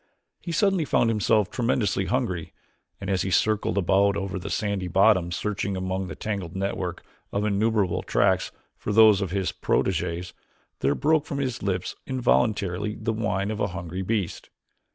He suddenly found himself tremendously hungry and as he circled about over the sandy bottom searching among the tangled network of innumerable tracks for those of his proteges, there broke from his lips involuntarily the whine of a hungry beast.